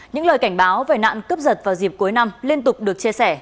những lời cảnh báo về nạn cướp giật vào dịp cuối năm liên tục được chia sẻ